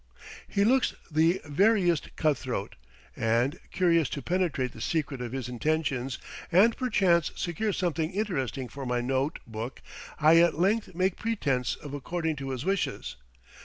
He looks the veriest cutthroat, and, curious to penetrate the secret of his intentions, and perchance secure something interesting for my note book, I at length make pretence of acceding to his wishes.